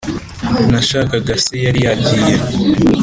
nashakaga se yari yagiye